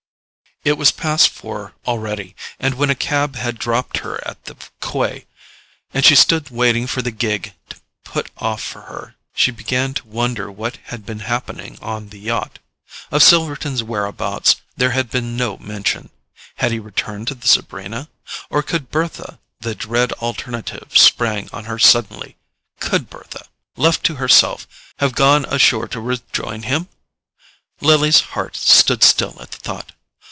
It was past four already; and when a cab had dropped her at the quay, and she stood waiting for the gig to put off for her, she began to wonder what had been happening on the yacht. Of Silverton's whereabouts there had been no mention. Had he returned to the Sabrina? Or could Bertha—the dread alternative sprang on her suddenly—could Bertha, left to herself, have gone ashore to rejoin him? Lily's heart stood still at the thought.